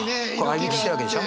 あいびきしてるわけでしょ？